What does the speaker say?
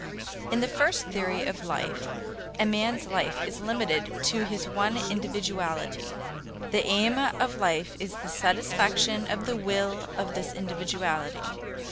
In the first theory of life a man's life is limited to his one individuality; the aim of life is the satisfaction of the will of this individuality.